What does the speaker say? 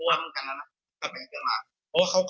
เพราะว่าเหมือนกันนั้นแหละสู้กันมาจนล่าง